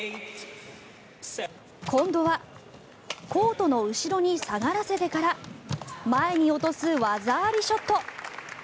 今度はコートの後ろに下がらせてから前に落とす技ありショット。